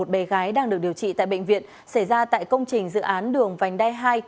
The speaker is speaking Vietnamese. một bé gái đang được điều trị tại bệnh viện xảy ra tại công trình dự án đường vành đai hai